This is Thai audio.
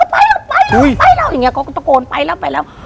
ไปลงก็ไปลดไปลงไปลง